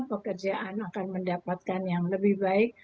pekerjaan akan mendapatkan yang lebih baik